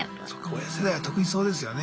親世代は特にそうですよね。